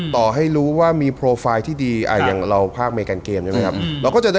ต่อให้รู้ว่ามีโปรไฟล์ที่ดีอย่างเราภาคอเมกันเกมใช่ไหมครับ